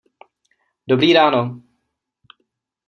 Dobrý ráno.